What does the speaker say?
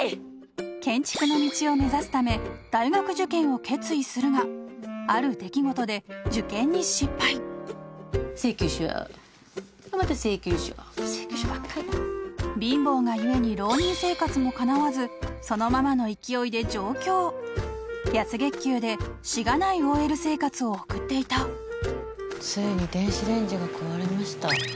建築の道を目指すため大学受験を決意するがある出来事で受験に失敗請求書また請求書請求書ばっかりだ貧乏が故に浪人生活もかなわずそのままの勢いで上京安月給でしがないＯＬ生活を送っていたついに電子レンジが壊れました